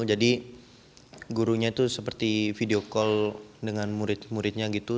jadi gurunya itu seperti video call dengan murid muridnya gitu